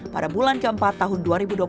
pada bulan keempat tahun dua ribu dua puluh satu